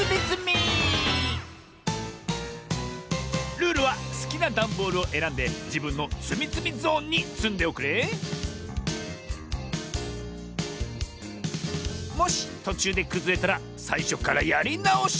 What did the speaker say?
ルールはすきなダンボールをえらんでじぶんのつみつみゾーンにつんでおくれもしとちゅうでくずれたらさいしょからやりなおし。